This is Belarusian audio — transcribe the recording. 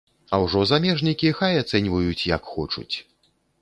А ўжо замежнікі хай ацэньваюць, як хочуць.